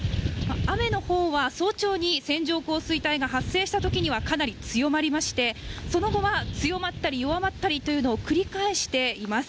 雨のほうは、早朝に線状降水帯が発生したときにはかなり強まりまして、その後は強まったり弱まったりというのを繰り返しています。